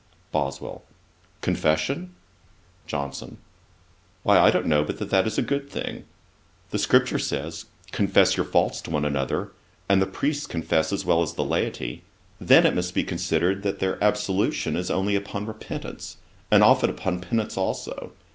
BOSWELL. 'Confession?' JOHNSON. 'Why, I don't know but that is a good thing. The scripture says, "Confess your faults one to another," and the priests confess as well as the laity. Then it must be considered that their absolution is only upon repentance, and often upon penance also.